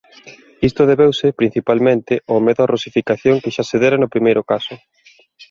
Isto debeuse principalmente ao medo á rusificación que xa se dera no primeiro caso.